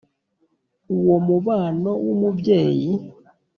Uwo mubano w umubyeyi